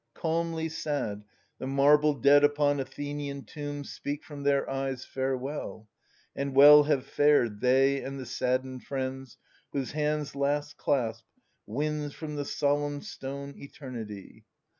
Calmly sad, The marble dead upon Athenian tombs Speak from their eyes " Farewell :" and well have fared They and the saddened friends, whose hands last clasp Wins from the solemn stone eternity.